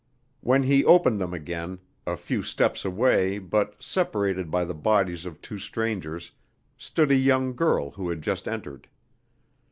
When he opened them again a few steps away, but separated by the bodies of two strangers, stood a young girl who had just entered.